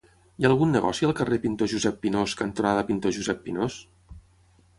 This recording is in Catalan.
Hi ha algun negoci al carrer Pintor Josep Pinós cantonada Pintor Josep Pinós?